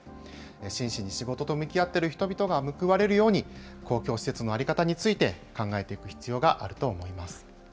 真摯に仕事と向き合っている人々が報われるように、公共施設の在り方について、考えていく必要があると思います。